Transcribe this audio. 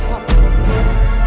aku mau ke sekolah